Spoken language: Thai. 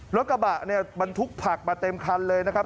รถกระบะเนี่ยบรรทุกผักมาเต็มคันเลยนะครับ